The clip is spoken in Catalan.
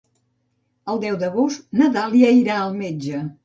El deu d'agost na Dàlia irà al metge.